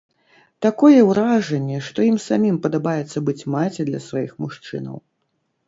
Такое ўражанне, што ім самім падабаецца быць маці для сваіх мужчынаў.